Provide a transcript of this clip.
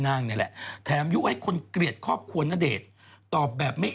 นางเนี่ยแหละแถมยุ่งให้คนเกลียดครอบควรณเดศตอบแบบไม่